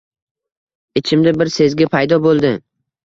Ichimda bir sezgi paydo bo‘ldi